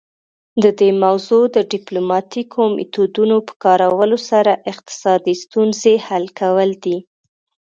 د دې موضوع د ډیپلوماتیکو میتودونو په کارولو سره اقتصادي ستونزې حل کول دي